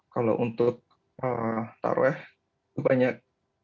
kalau untuk tarweh itu banyak